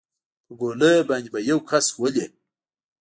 په ګولۍ باندې به يو كس ولې.